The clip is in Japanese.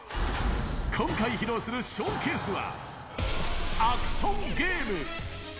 今回、披露するショーケースは、アクションゲーム。